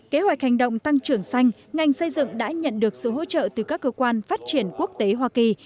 kế hoạch hành động tăng trưởng xanh ngành xây dựng đã nhận được sự hỗ trợ từ các cơ quan phát triển quốc tế hoa kỳ